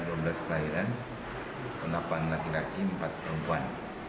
dua belas kelahiran delapan laki laki empat perempuan